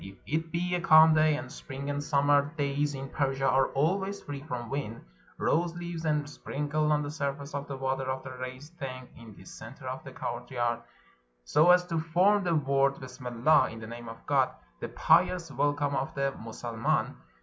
If it be a calm day — and spring and summer days in Persia are always free from wind — rose leaves are sprinkled on the surface of the water of the raised tank in the center of the courtyard, so as to form the word ''Bismillah" (in the name of God), the pious wel come of the Mussulman.